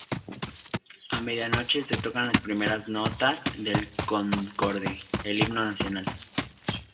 A medianoche se tocan las primeras notas del Concorde, el himno nacional.